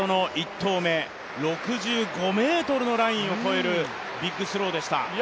フルタドの１投目６５ｍのラインを超えるビッグスローでした。